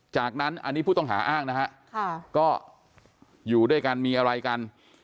จากนั้นอันนี้ผู้ต้องหาอ้างนะฮะก็อยู่ด้วยกันมีอะไรกัน